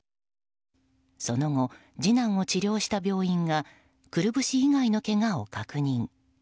その後、次男を治療した病院がくるぶし以外のけがを確認。